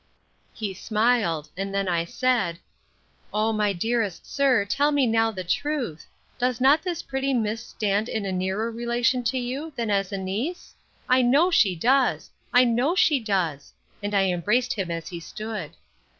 He smiled: and then I said, O my dearest sir, tell me now the truth, Does not this pretty miss stand in a nearer relation to you, than as a niece?—I know she does! I know she does! And I embraced him as he stood.